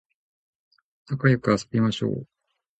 なかよく遊びましょう